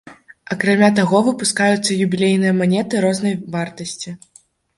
Акрамя таго, выпускаюцца юбілейныя манеты рознай вартасці.